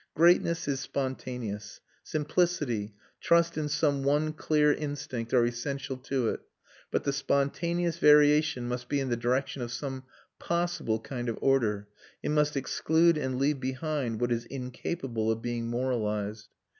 Greatness is spontaneous; simplicity, trust in some one clear instinct, are essential to it; but the spontaneous variation must be in the direction of some possible sort of order; it must exclude and leave behind what is incapable of being moralised.